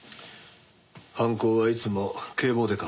犯行はいつも警棒でか？